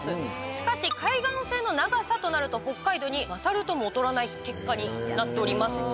しかし海岸線の長さとなると北海道に勝るとも劣らない結果になっております。